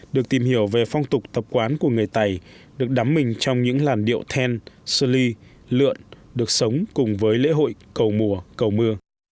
được tìm hiểu về phong tục tập quán của người tày được đắm mình trong những làn điệu then soli lượn được sống cùng với lễ hội cầu mùa cầu mưa